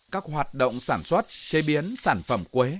các hoạt động sản xuất chế biến sản phẩm quế